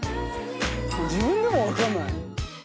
自分でも分かんない。